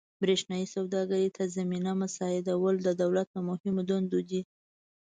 برېښنايي سوداګرۍ ته زمینه مساعدول د دولت له مهمو دندو دي.